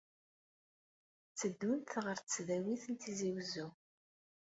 Tteddunt ɣer Tesdawit n Tizi Wezzu.